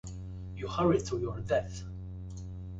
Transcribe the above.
You hurry to your death!